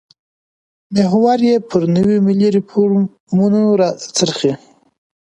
محور یې پر نویو ملي ریفورمونو راڅرخي.